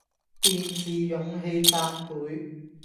便自勇氣百倍，